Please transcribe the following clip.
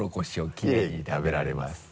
「キレイに食べられます。」